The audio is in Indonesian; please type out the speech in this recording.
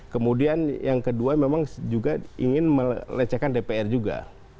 kemudian yang kedua memang juga ingin melecehkan dpr juga